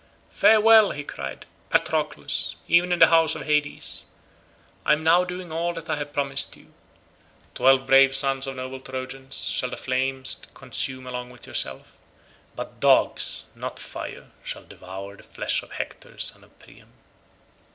"Fare well," he cried, "Patroclus, even in the house of Hades; I am now doing all that I have promised you. Twelve brave sons of noble Trojans shall the flames consume along with yourself, but dogs, not fire, shall devour the flesh of Hector son of Priam."